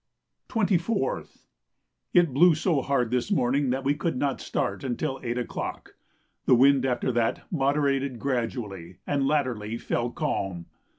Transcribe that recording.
24th. It blew so hard this morning that we could not start until 8 o'clock. The wind after that moderated gradually, and latterly fell calm.